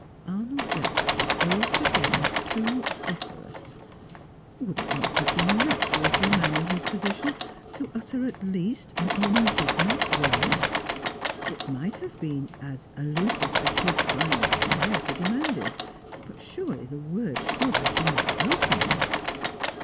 Arnold Jacks was altogether too decorous. Would it not have been natural for a man in his position to utter at least an indignant word? It might have been as allusive as his fine propriety demanded, but surely the word should have been spoken!